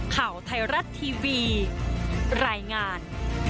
ข่าวไทยรัฐทีวีรายงาน